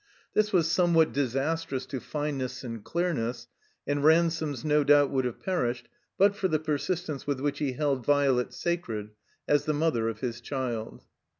This was somewhat 163 THE COMBINED MAZE disastrous to fineness and clearness, and Ransome's no doubt would have perished but for the persistence with which he held Violet sacred as the mother of his child.